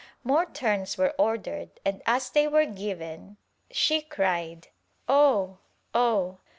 More turns were ordered and as they were given she cried "Oh! Oh!